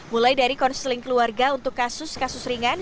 mulai dari konseling keluarga untuk kasus kasus ringan